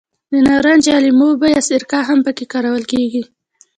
د نارنج یا لیمو اوبه یا سرکه هم په کې کارول کېږي.